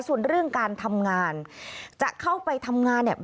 ส่วนเรื่องการทำงานจะเข้าไปทำงานเนี่ย